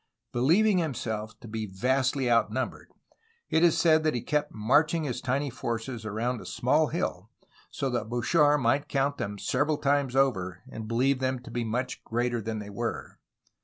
Believing himself to be vastly outnumbered, it is said that he kept marching his tiny forces around a small hill so that Bouchard might count them several times over ERA OF THE WARS OF INDEPENDENCE, 1810 1822 447 and believe them to be much greater than they were.